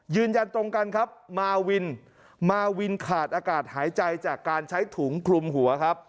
ยืนยันตรงกันมาวินขาดอากาศหายใจจากการใช้ถุงคลุมหัว